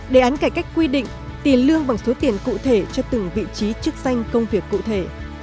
đề án cải cách quy định tiền lương bằng số tiền cụ thể cho từng vị trí chức danh công việc cụ thể